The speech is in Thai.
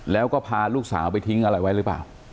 แล้วก็พาลูกสาวไปทิ้งอะไรไว้หรือเปล่า